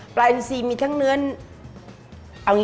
ปลามีทั้งเนื้อน